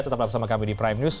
tetaplah bersama kami di prime news